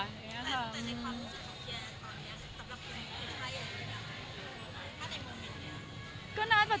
แต่ในความรู้สึกของเชียร์ตอนนี้สำหรับคุณคุณใช่หรือไม่